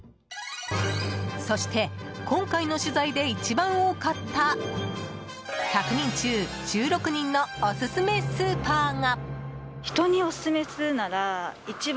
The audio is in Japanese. そして、今回の取材で一番多かった１００人中１６人のオススメスーパーが。